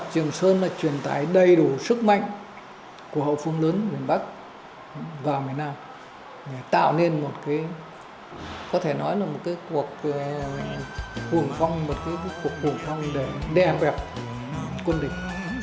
trường sơn là truyền tái đầy đủ sức mạnh của hậu phương lớn miền bắc và miền nam tạo nên một cuộc hủ phong để đeo vẹp quân địch